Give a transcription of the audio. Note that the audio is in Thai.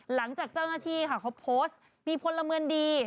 หลังจากเจ้าหน้าที่ค่ะเขาโพสต์มีพลเมืองดี